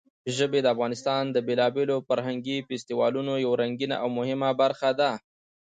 ژبې د افغانستان د بېلابېلو فرهنګي فستیوالونو یوه رنګینه او مهمه برخه ده.